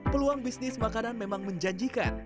peluang bisnis makanan memang menjanjikan